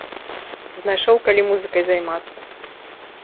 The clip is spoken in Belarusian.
Знайшоў калі музыкай займацца!